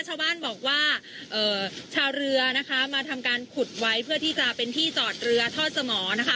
ชาวบ้านบอกว่าชาวเรือนะคะมาทำการขุดไว้เพื่อที่จะเป็นที่จอดเรือทอดสมอนะคะ